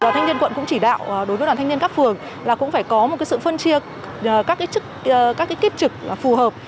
đoàn thanh niên quận cũng chỉ đạo đối với đoàn thanh niên các phường là cũng phải có một sự phân chia các kiếp trực phù hợp